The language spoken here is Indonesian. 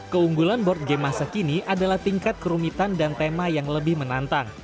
keunggulan board game masa kini adalah tingkat kerumitan dan tema yang lebih menantang